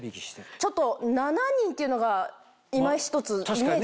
ちょっと７人っていうのがいまひとつイメージ。